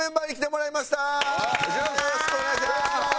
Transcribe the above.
お願いします。